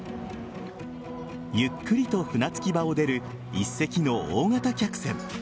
ゆっくりと船着き場を出る１隻の大型客船。